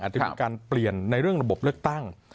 จะมีการเปลี่ยนในเรื่องระบบเลือกตั้ง